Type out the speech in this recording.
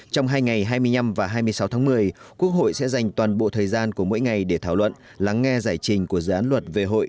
trong hai ngày hai mươi năm và hai mươi sáu tháng một mươi quốc hội sẽ dành toàn bộ thời gian của mỗi ngày để thảo luận lắng nghe giải trình của dự án luật về hội